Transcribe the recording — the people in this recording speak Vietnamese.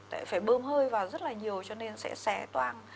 tại phải bơm hơi vào rất là nhiều cho nên sẽ xé toan